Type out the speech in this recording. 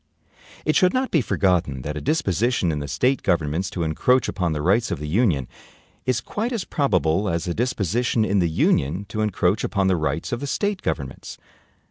It should not be forgotten that a disposition in the State governments to encroach upon the rights of the Union is quite as probable as a disposition in the Union to encroach upon the rights of the State governments.